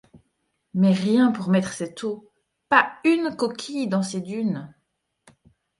Mais rien pour mettre cette eau, pas une coquille dans ces dunes !